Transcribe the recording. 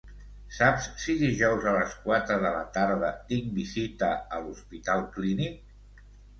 Saps si dijous a les quatre de la tarda tinc visita a l'Hospital Clínic?